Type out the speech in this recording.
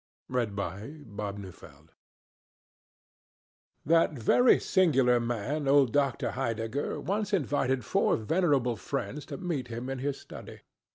DR. HEIDEGGER'S EXPERIMENT That very singular man old Dr. Heidegger once invited four venerable friends to meet him in his study.